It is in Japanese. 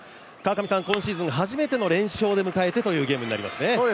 今シーズン初めての連勝でというゲームになりますね。